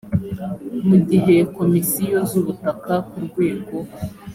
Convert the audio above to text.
mu gihe komisiyo z ubutaka ku rwego